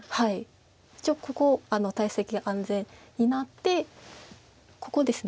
一応ここ大石安全になってここです。